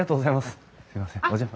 すいませんお邪魔。